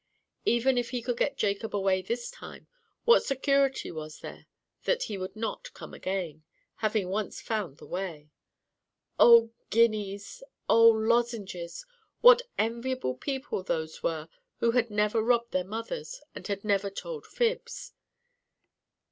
Even if he could get Jacob away this time, what security was there that he would not come again, having once found the way? O guineas! O lozenges! what enviable people those were who had never robbed their mothers, and had never told fibs!